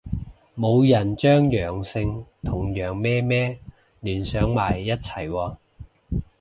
冇人將陽性同羊咩咩聯想埋一齊喎